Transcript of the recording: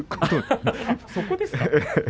そこですか？